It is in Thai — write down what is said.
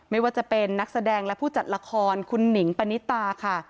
ไม่ว่าจะเป็นนักแสดงและผู้จัดละครคุณหนิงปณิตาค่ะ